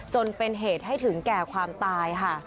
จนเป็นเหตุให้ถึงแก่ความตายค่ะ